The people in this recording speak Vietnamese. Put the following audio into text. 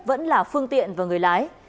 vẫn là phương tiện và người lái